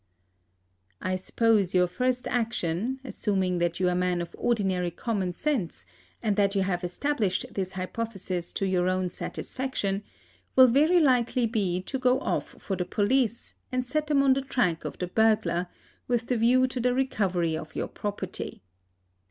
I suppose your first action, assuming that you are a man of ordinary common sense, and that you have established this hypothesis to your own satisfaction, will very likely be to go off for the police, and set them on the track of the burglar, with the view to the recovery of your property.